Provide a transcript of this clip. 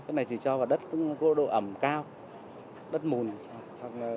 cây này chỉ cho vào đất có độ ẩm cao đất mùn